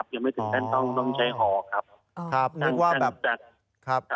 ยังไม่ถึงแป้วต้องใช้หอครับ